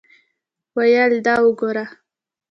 ویل دا وګوره.